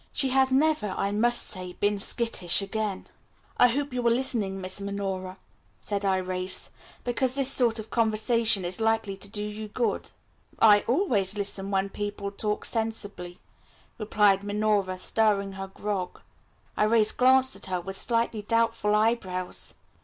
She has never, I must say, been skittish since. "I hope you are listening, Miss Minora," said Irais, "because this sort of conversation is likely to do you good." "I always listen when people talk sensibly," replied Minora, stirring her grog. Irais glanced at her with slightly doubtful eyebrows.